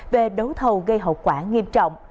về đấu thầu gây hậu quả nghiêm trọng